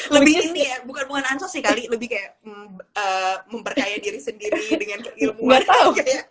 lebih ini ya bukan bukan ansos sih kali lebih kayak mempercaya diri sendiri dengan keilmuan